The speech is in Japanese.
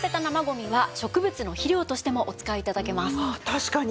確かに。